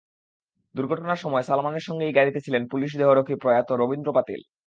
দুর্ঘটনার সময় সালমানের সঙ্গেই গাড়িতে ছিলেন পুলিশ দেহরক্ষী প্রয়াত রবীন্দ্র পাতিল।